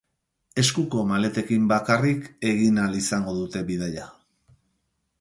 Eskuko maletekin bakarrik egin ahal izango dute bidaia.